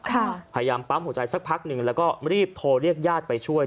พยายามปั๊มหัวใจสักพักหนึ่งแล้วก็รีบโทรเรียกญาติไปช่วย